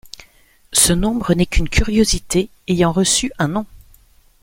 Ce nombre n'est qu'une curiosité ayant reçu un nom.